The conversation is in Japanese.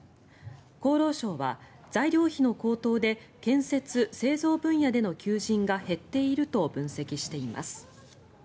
厚労省は材料費の高騰で建設・製造分野での求人が減っていると分析しています。